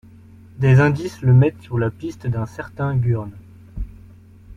Des indices le mettent sur la piste d'un certain Gurn.